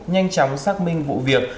nhanh chóng xác minh vụ việc